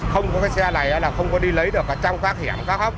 không có cái xe này là không có đi lấy được cả trong các hẻm khác